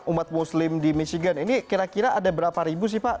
umat muslim di michigan ini kira kira ada berapa ribu sih pak